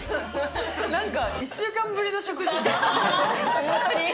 なんか、１週間ぶりの食事？